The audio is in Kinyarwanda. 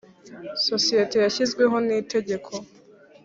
isosiyete yashyizweho n itegeko